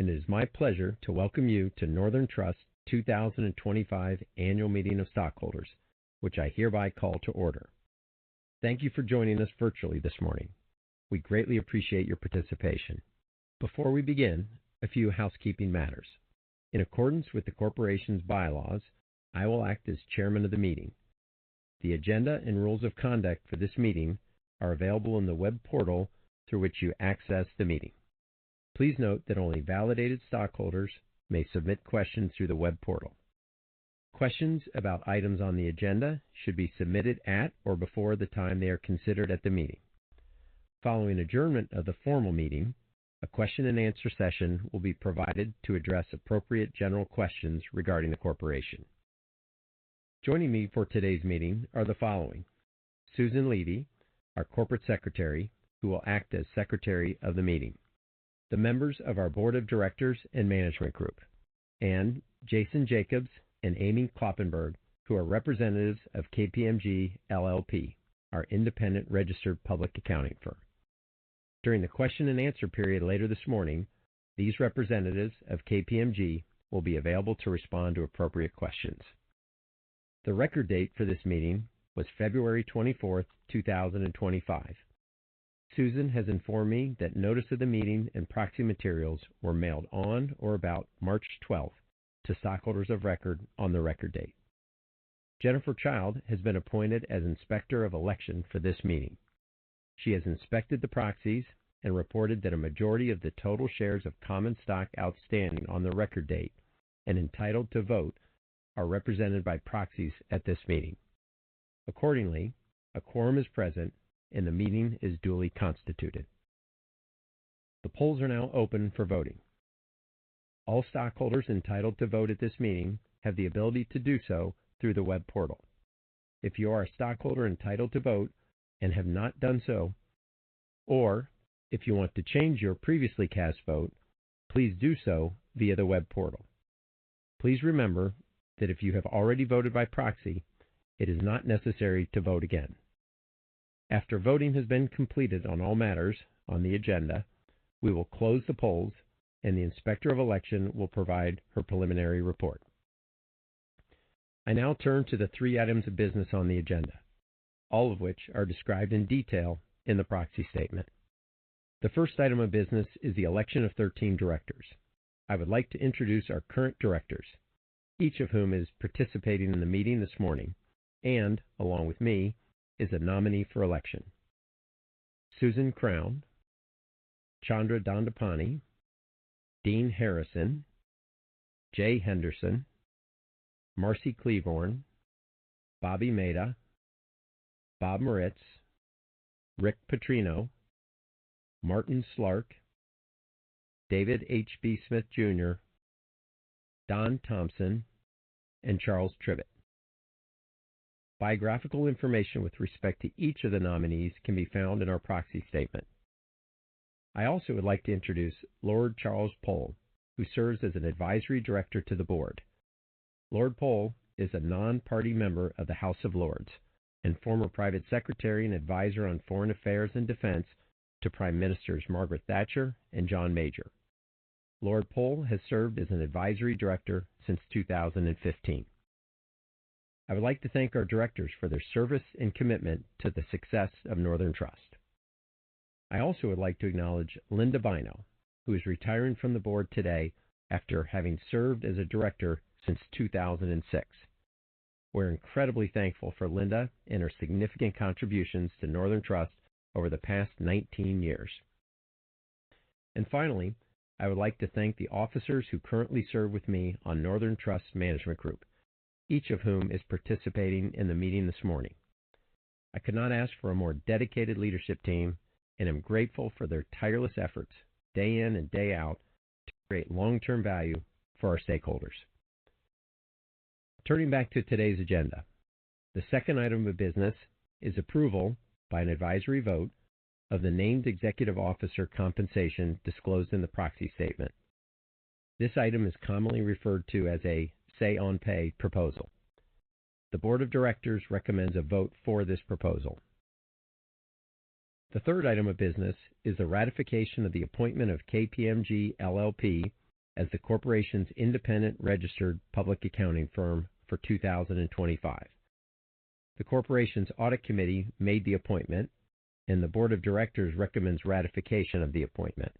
It is my pleasure to welcome you to Northern Trust 2025 Annual Meeting of Stockholders, which I hereby call to order. Thank you for joining us virtually this morning. We greatly appreciate your participation. Before we begin, a few housekeeping matters. In accordance with the corporation's bylaws, I will act as Chairman of the meeting. The agenda and rules of conduct for this meeting are available in the web portal through which you access the meeting. Please note that only validated stockholders may submit questions through the web portal. Questions about items on the agenda should be submitted at or before the time they are considered at the meeting. Following adjournment of the formal meeting, a question and answer session will be provided to address appropriate general questions regarding the corporation. Joining me for today's meeting are the following. Susan Levy, our Corporate Secretary, who will act as secretary of the meeting, the members of our Board of Directors and Management Group, and Jason Jacobs and Amy Kloppenburg, who are representatives of KPMG LLP, our independent registered public accounting firm. During the question-and-answer period later this morning, these representatives of KPMG will be available to respond to appropriate questions. The record date for this meeting was February 24, 2025. Susan has informed me that notice of the meeting and proxy materials were mailed on or about March 12 to stockholders of record on the record date. Jennifer Childe has been appointed as Inspector of Election for this meeting. She has inspected the proxies and reported that a majority of the total shares of common stock outstanding on the record date and entitled to vote are represented by proxies at this meeting. Accordingly, a quorum is present and the meeting is duly constituted. The polls are now open for voting. All stockholders entitled to vote at this meeting have the ability to do so through the web portal. If you are a stockholder entitled to vote and have not done so, or if you want to change your previously cast vote, please do so via the web portal. Please remember that if you have already voted by proxy, it is not necessary to vote again. After voting has been completed on all matters on the agenda, we will close the polls and the Inspector of Election will provide her preliminary report. I now turn to the three items of business on the agenda, all of which are described in detail and in the proxy statement. The first item of business is the election of 13 directors. I would like to introduce our current directors, each of whom is participating in the meeting this morning. Along with me is a nominee for election. Susan Crown, Chandra Dhandapani, Dean Harrison, Jay Henderson, Marcy Klevorn, Bobby Mehta, Bob Moritz, Rick Petrino, Martin Slark, David H.B. Smith Jr., Don Thompson, and Charles Tribbett. Biographical information with respect to each of the nominees can be found in our proxy statement. I also would like to introduce Lord Charles Powell who serves as an Advisory Director to the Board. Lord Powell is a non-party member of the House of Lords and former Private Secretary and Advisor on Foreign Affairs and Defense to Prime Ministers Margaret Thatcher and John Major. Lord Powell has served as an Advisory Director since 2015. I would like to thank our directors for their service and commitment to the success of Northern Trust. I also would like to acknowledge Linda Bynoe who is retiring from the Board today after having served as a director since 2006. We're incredibly thankful for Linda and her significant contributions to Northern Trust over the past 19 years. Finally, I would like to thank the officers who currently serve with me on Northern Trust's Management Group, each of whom is participating in the meeting this morning. I could not ask for a more dedicated leadership team and am grateful for their tireless efforts day in and day out to create long-term value for our stakeholders. Turning back to today's agenda, the second item of business is approval by an advisory vote of the named executive officer compensation disclosed in the proxy statement. This item is commonly referred to as a Say on Pay proposal. The Board of Directors recommends a vote for this proposal. The third item of business is the ratification of the appointment of KPMG LLP as the Corporation's independent registered public accounting firm for 2025. The Corporation's Audit Committee made the appointment, and the Board of Directors recommends ratification of the appointment.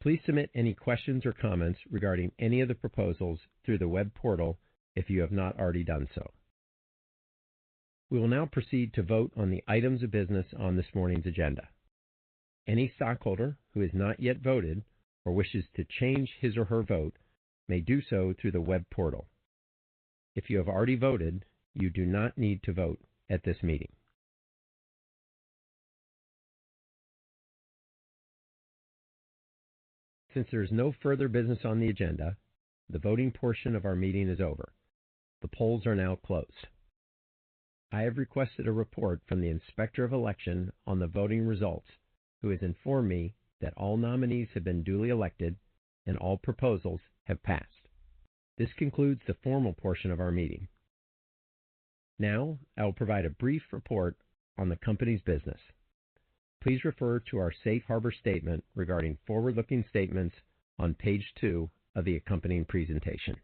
Please submit any questions or comments regarding any of the proposals through the web portal if you have not already done so. We will now proceed to vote on the items of business on this morning's agenda. Any stockholder who has not yet voted or wishes to change his or her vote may do so through the web portal. If you have already voted, you do not need to vote at this meeting. Since there is no further business on the agenda, the voting portion of our meeting is over. The polls are now closed. I have requested a report from the Inspector of Election on the voting results who has informed me that all nominees have been duly elected and all proposals have passed. This concludes the formal portion of our meeting. Now I will provide a brief report on the Company's business. Please refer to our Safe Harbor statement regarding forward-looking statements on page two of the accompanying presentation.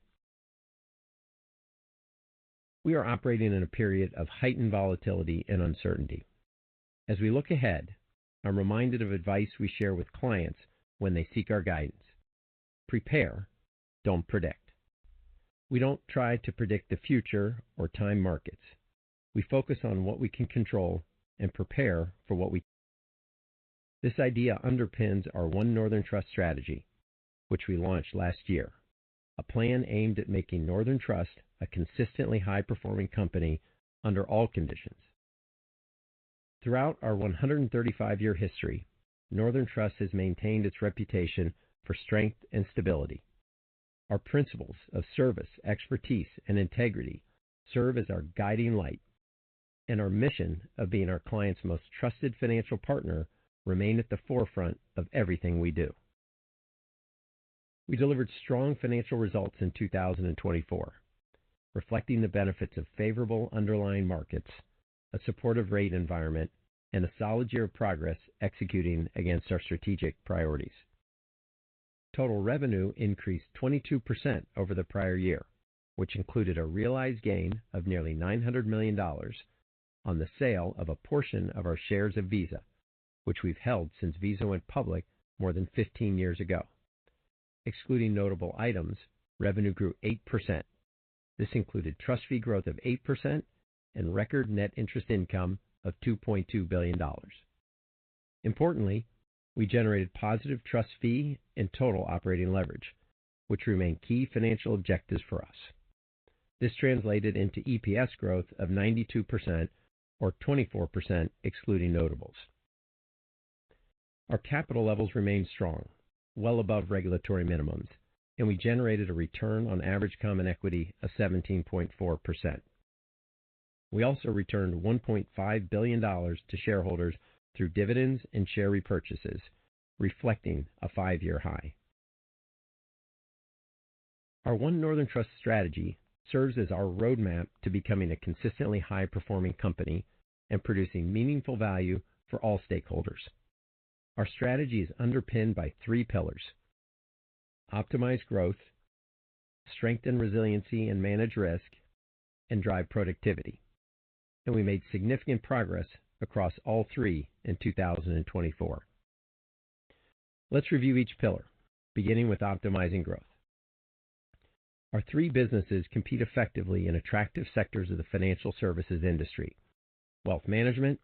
We are operating in a period of heightened volatility and uncertainty. As we look ahead, I'm reminded of advice we share with clients when they seek our guidance. Prepare, don't predict. We don't try to predict the future or time markets. We focus on what we can control and prepare for what we can control. This idea underpins our One Northern Trust strategy which we launched last year, a plan aimed at making Northern Trust a consistently high performing company under all conditions. Throughout our 135 year history, Northern Trust has maintained its reputation for strength and stability. Our principles of service, expertise and integrity serve as our guiding light and our mission of being our client's most trusted financial partner remains at the forefront of everything we do. We delivered strong financial results in 2024 reflecting the benefits of favorable underlying markets, a supportive rate environment and a solid year of progress executing against our strategic priorities. Total revenue increased 22% over the prior year, which included a realized gain of nearly $900 million on the sale of a portion of our shares of Visa, which we've held since Visa went public more than 15 years ago. Excluding notable items, revenue grew 8%. This included trust fee growth of 8% and record net interest income of $2.2 billion. Importantly, we generated positive trust fee and total operating leverage which remain key financial objectives for us. This translated into EPS growth of 92% or 24% excluding notables. Our capital levels remained strong, well above regulatory minimums, and we generated a return on average common equity of 17.4%. We also returned $1.5 billion to shareholders through dividends and share repurchases, reflecting a five-year high. Our One Northern Trust strategy serves as our roadmap to becoming a consistently high-performing company and producing meaningful value for all stakeholders. Our strategy is underpinned by three: optimize growth, strengthen resiliency and manage risk, and drive productivity, and we made significant progress across all three in 2024. Let's review each pillar, beginning with Optimizing Growth. Our three businesses compete effectively in attractive sectors of the financial services industry: Wealth Management,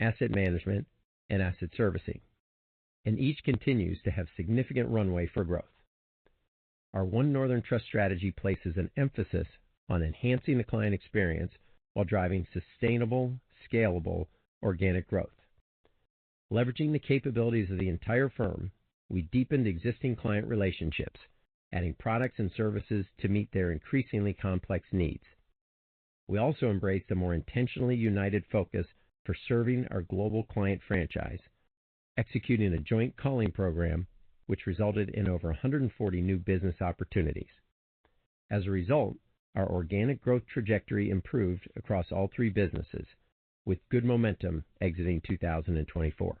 Asset Management, and Asset Servicing and each continues to have significant runway for growth. Our One Northern Trust strategy places an emphasis on enhancing the client experience while driving sustainable, scalable organic growth. Leveraging the capabilities of the entire firm, we deepened existing client relationships, adding products and services to meet their increasingly complex needs. We also embraced a more intentionally united focus for serving our global client franchise, executing a joint calling program which resulted in over 140 new business opportunities. As a result, our organic growth trajectory improved across all three businesses with good momentum exiting 2024.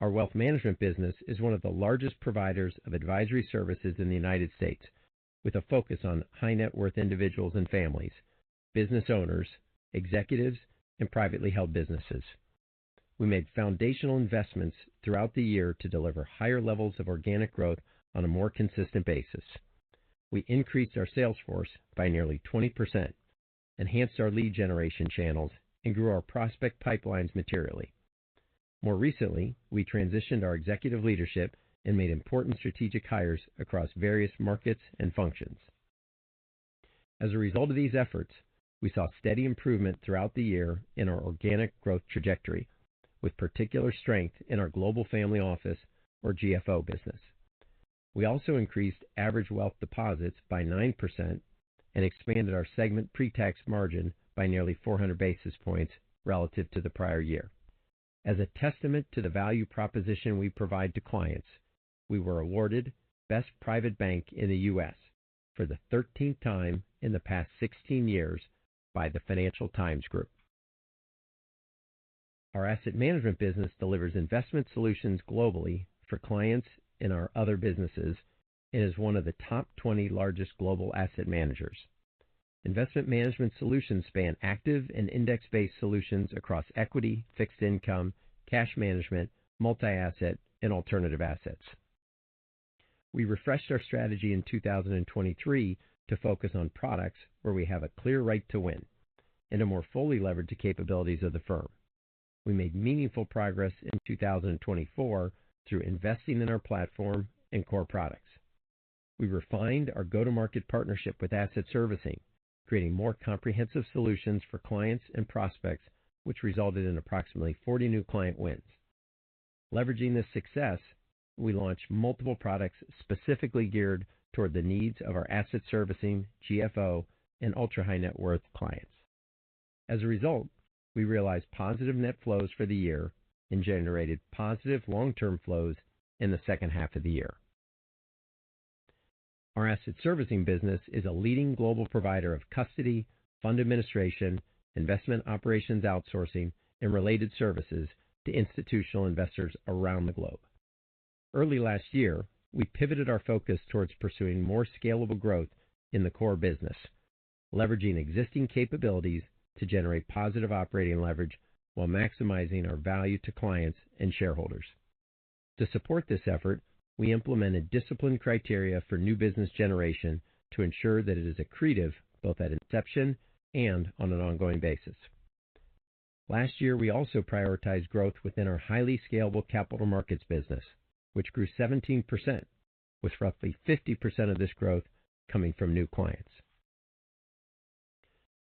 Our Wealth Management business is one of the largest providers of advisory services in the United States with a focus on high-net-worth individuals and families, business owners, executives, and privately held businesses. We made foundational investments throughout the year to deliver higher levels of organic growth on a more consistent basis. We increased our sales force by nearly 20%, enhanced our lead generation channels, and grew our prospect pipelines materially. More recently, we transitioned our executive leadership and made important strategic hires across various markets and functions. As a result of these efforts, we saw steady improvement throughout the year in our organic growth trajectory with particular strength in our Global Family Office or GFO business. We also increased average wealth deposits by 9% and expanded our segment pretax margin by nearly 400 basis points relative to the prior year. As a testament to the value proposition we provide to clients, we were awarded Best Private Bank in the U.S. for the 13th time in the past 16 years by the Financial Times Group. Our Asset Management business delivers investment solutions globally for clients in our other businesses and is one of the top 20 largest global asset managers. Investment management solutions span active and index-based solutions across equity, fixed income, cash management, multi-asset and alternative assets. We refreshed our strategy in 2023 to focus on products where we have a clear right to win and a more fully leveraged capabilities of the firm. We made meaningful progress in 2024 through investing in our platform and core products. We refined our go-to-market partnership with Asset Servicing, creating more comprehensive solutions for clients and prospects which resulted in approximately 40 new client wins. Leveraging this success, we launched multiple products specifically geared toward the needs of our Asset Servicing, GFO and ultra-high-net-worth clients. As a result, we realized positive net flows for the year and generated positive long-term flows in the second half of the year. Our Asset Servicing business is a leading global provider of custody, fund administration, investment operations, outsourcing and related services to institutional investors around the globe. Early last year we pivoted our focus towards pursuing more scalable growth in the core business, leveraging existing capabilities to generate positive operating leverage while maximizing our value to clients and shareholders. To support this effort, we implemented disciplined criteria for new business generation to ensure that it is accretive both at inception and on an ongoing basis. Last year we also prioritized growth within our highly scalable capital markets business, which grew 17% with roughly 50% of this growth coming from new clients.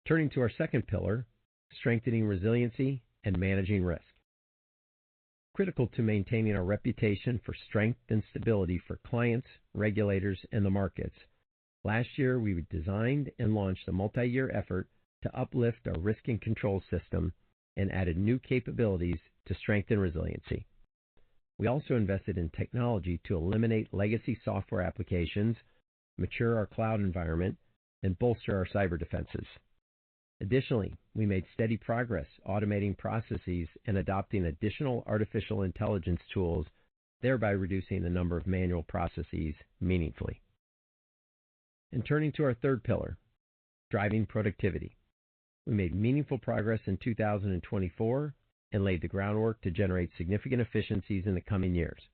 Turning to our second pillar, strengthening resiliency and managing risk is critical to maintaining our reputation for strength and stability for clients, regulators, and the markets. Last year we designed and launched a multi-year effort to uplift our risk and control system and added new capabilities to strengthen resiliency. We also invested in technology to eliminate legacy software applications, mature our cloud environment, and bolster our cyber defenses. Additionally, we made steady progress automating processes and adopting additional artificial intelligence tools, thereby reducing the number of manual processes meaningfully. Turning to our third pillar, driving productivity, we made meaningful progress in 2024 and laid the groundwork to generate significant efficiencies in the coming years.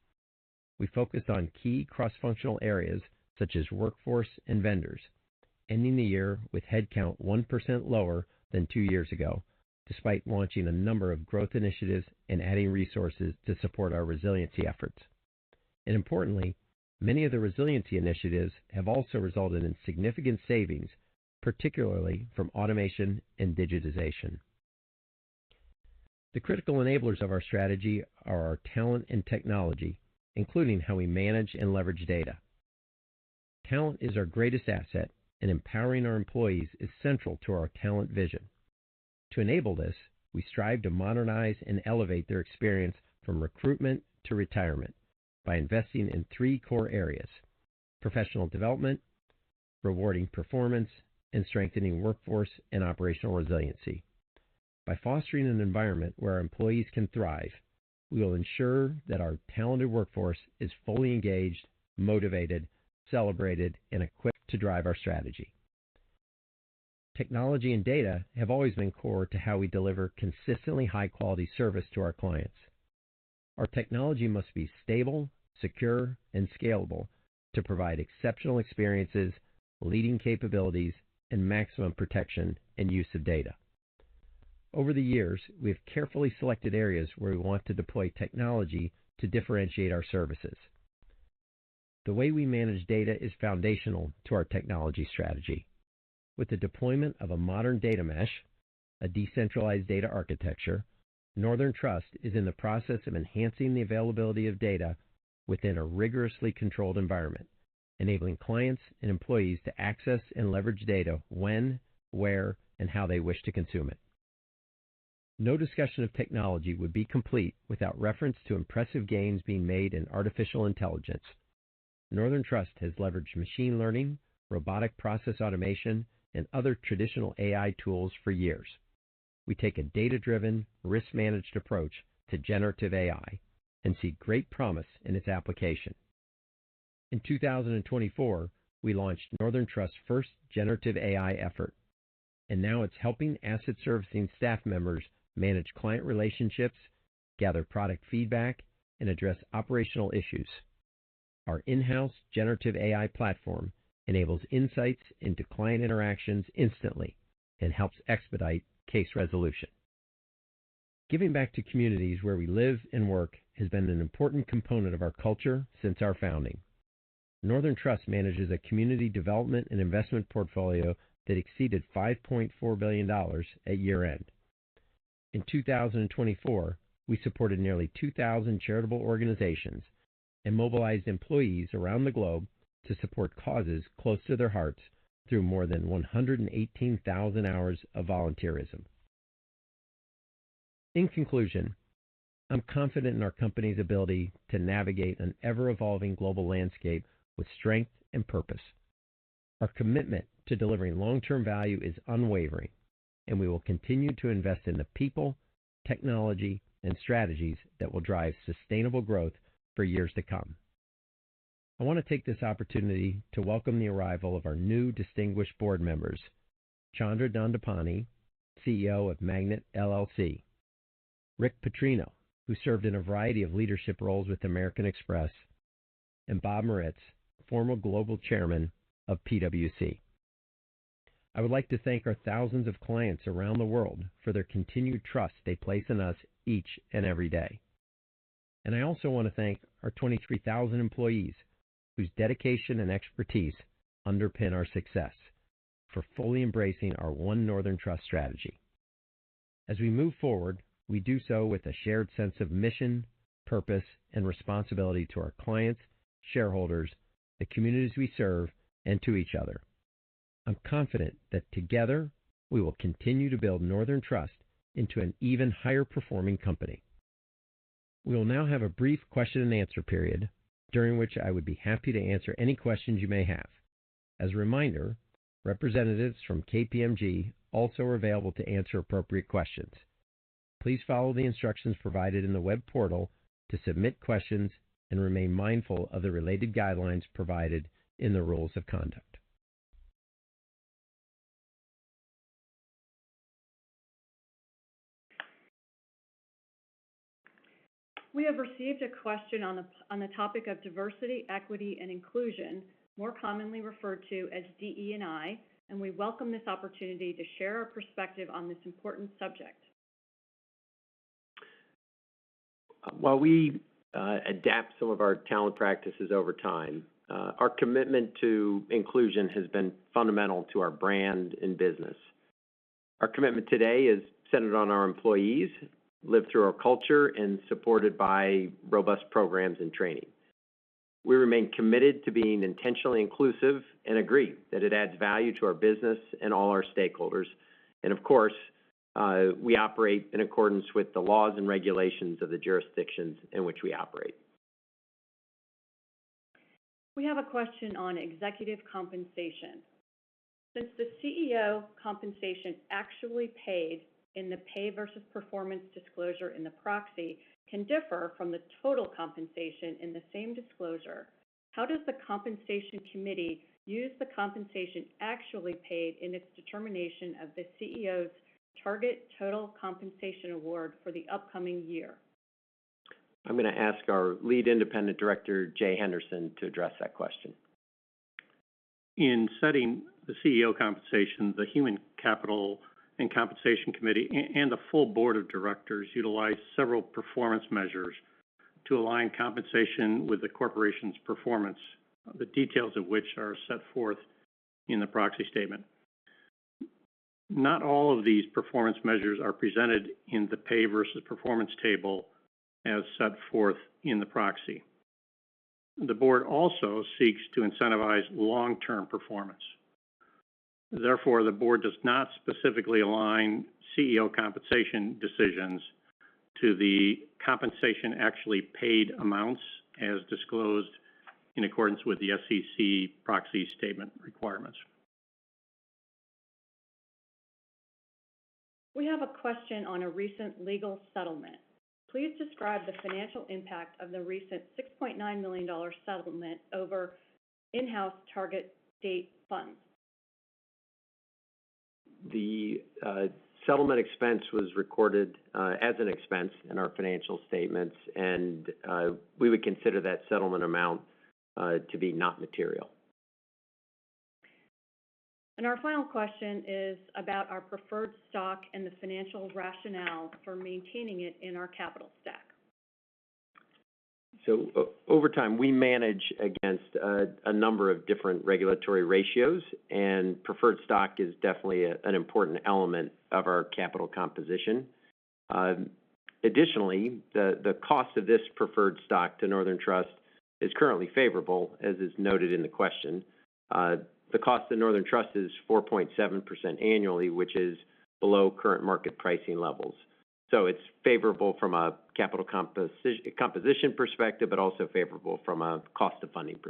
We focused on key cross functional areas such as workforce and vendors, ending the year with headcount 1% lower than two years ago despite launching a number of growth initiatives and adding resources to support our resiliency efforts. Importantly, many of the resiliency initiatives have also resulted in significant savings, particularly from automation and digitization. The critical enablers of our strategy are our talent and technology, including how we manage and leverage data. Talent is our greatest asset and empowering our employees is central to our talent vision. To enable this, we strive to modernize and elevate their experience from recruitment to retirement by investing in three core professional development, rewarding performance and strengthening workforce and operational resiliency. By fostering an environment where our employees can thrive, we will ensure that our talented workforce is fully engaged, motivated, celebrated and equipped to drive our strategy. Technology and data have always been core to how we deliver consistently high quality service to our clients. Our technology must be stable, secure and scalable to provide exceptional experiences, leading capabilities and maximum protection and use of data. Over the years, we have carefully selected areas where we want to deploy technology to differentiate our services. The way we manage data is foundational to our technology strategy. With the deployment of a modern data mesh, a decentralized data architecture, Northern Trust is in the process of enhancing the availability of data within a rigorously controlled environment, enabling clients and employees to access and leverage data when, where and how they wish to consume it. No discussion of technology would be complete without reference to impressive gains being made in artificial intelligence. Northern Trust has leveraged machine learning, robotic process automation and other traditional AI tools for years. We take a data-driven, risk-managed approach to generative AI and see great promise in its application. In 2024, we launched Northern Trust's first generative AI effort and now it's helping Asset Servicing staff members manage client relationships, gather product feedback and address operational issues. Our in-house generative AI platform enables insights into client interactions instantly and helps expedite case resolution. Giving back to communities where we live and work has been an important component of our culture since our founding. Northern Trust manages a community development and investment portfolio that exceeded $5.4 billion at year end in 2024. We supported nearly 2,000 charitable organizations and mobilized employees around the globe to support causes close to their hearts through more than 118,000 hours of volunteerism. In conclusion, I'm confident in our company's ability to navigate an ever evolving global landscape with strength and purpose. Our commitment to delivering long-term value is unwavering and we will continue to invest in the people, technology and strategies that will drive sustainable growth for years to come. I want to take this opportunity to welcome the arrival of our new distinguished board members Chandra Dhandapani, CEO of Magnit LLC, Rick Petrino, who served in a variety of leadership roles with American Express, and Bob Moritz, former global chairman of PwC. I would like to thank our thousands of clients around the world for their continued trust they place in us each and every day. I also want to thank our 23,000 employees whose dedication and expertise underpin our success for fully embracing our One Northern Trust strategy. As we move forward, we do so with a shared sense of mission, purpose and responsibility to our clients, shareholders, the communities we serve, and to each other. I'm confident that together we will continue to build Northern Trust into an even higher performing company. We will now have a brief question and answer period during which I would be happy to answer any questions you may have. As a reminder, representatives from KPMG also are available to answer appropriate questions. Please follow the instructions provided in the web portal to submit questions and remain mindful of the related guidelines provided in the Rules of Conduct. We have received a question on the topic of diversity, equity and inclusion, more commonly referred to as DE&I, and we welcome this opportunity to share our perspective on this important subject. While we adapt some of our talent practices over time, our commitment to inclusion has been fundamental to our brand and business. Our commitment today is centered on our employees, lived through our culture and supported by robust programs and training. We remain committed to being intentionally inclusive and agree that it adds value to our business and all our stakeholders. We operate in accordance with the laws and regulations of the jurisdictions in which we operate. We have a question on executive compensation since the CEO compensation actually paid in the Pay Versus Performance disclosure in the proxy can differ from the total compensation in the same disclosure. How does the Compensation Committee use the compensation actually paid in its determination of the CEO's target total compensation award for the upcoming year? I'm going to ask our Lead Independent Director Jay Henderson to address that question. In setting the CEO compensation, the Human Capital and Compensation Committee and the full Board of Directors utilize several performance measures to align compensation with the corporation's performance, the details of which are set forth in the proxy statement. Not all of these performance measures are presented in the Pay Versus Performance table as set forth in the proxy. The Board also seeks to incentivize long-term performance. Therefore, the Board does not specifically align CEO compensation decisions to the compensation actually paid amounts as disclosed in accordance with the SEC proxy statement requirements. We have a question on a recent legal settlement. Please describe the financial impact of the recent $6.9 million settlement over in-house target date funds. The settlement expense was recorded as an expense in our financial statements, and we would consider that settlement amount to be not material. Our final question is about our preferred stock and the financial rationale for maintaining it in our capital stock. Over time we manage against a number of different regulatory ratios and preferred stock is definitely an important element of our capital composition. Additionally, the cost of this preferred stock to Northern Trust is currently favorable. As is noted in the question, the cost to Northern Trust is 4.7% annually, which is below current market pricing levels. It is favorable from a capital composition perspective, but also favorable from a cost of funding perspective.